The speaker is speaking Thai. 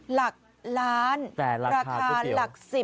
หลักร้านราคาหลักสิบ